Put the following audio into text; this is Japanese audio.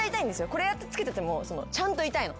これ着けててもちゃんと痛いの。